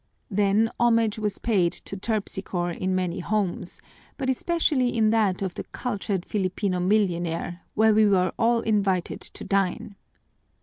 Then homage was paid to Terpsichore in many homes, but especially in that of the cultured Filipino millionaire, where we were all invited to dine.